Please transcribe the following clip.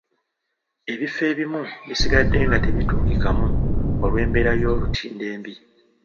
Ebifo ebimu bisigadde nga tebituukikamu olw'embeera y'olutindo embi.